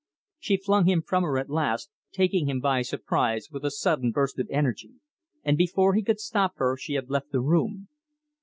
She flung him from her at last, taking him by surprise with a sudden burst of energy, and before he could stop her she had left the room.